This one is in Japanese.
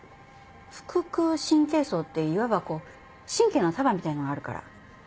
腹腔神経叢っていわばこう神経の束みたいのがあるから。